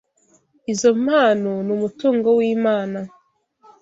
Izo mpano ni umutungo w’Imana